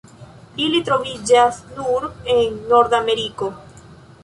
Ili troviĝas nur en Nordameriko.